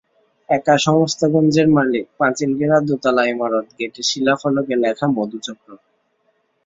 একা সমস্ত গঞ্জের মালিক, পাঁচিল-ঘেরা দোতলা ইমারত, গেটে শিলাফলকে লেখা মধুচক্র।